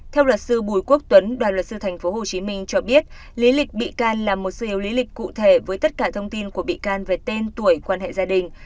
theo luật sư bùi quốc tuấn đoàn luật sư tp hcm cho biết lý lịch bị can là một suy yếu lý lịch cụ thể với tất cả thông tin của bị can về tên tuổi quan hệ gia đình